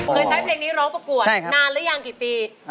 ใช้เพลงนี้ร้องประกวดนานหรือยังกี่ปี